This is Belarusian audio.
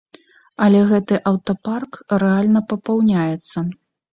Але гэты аўтапарк рэальна папаўняецца.